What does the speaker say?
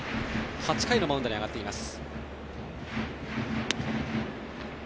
８回のマウンドに上がっています。